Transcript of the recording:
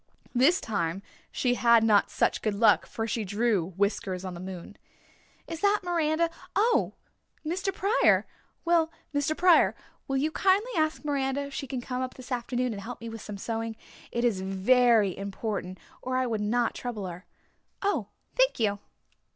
This time she had not such good luck for she drew Whiskers on the moon. "Is that Miranda? Oh Mr. Pryor! Well, Mr. Pryor, will you kindly ask Miranda if she can come up this afternoon and help me with some sewing. It is very important, or I would not trouble her. Oh thank you."